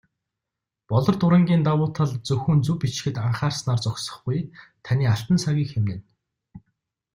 "Болор дуран"-ийн давуу тал зөвхөн зөв бичихэд анхаарснаар зогсохгүй, таны алтан цагийг хэмнэнэ.